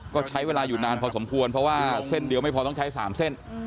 ก็ใช้เวลาอยู่นานพอสมควรเพราะว่าเส้นเดียวไม่พอต้องใช้๓เส้น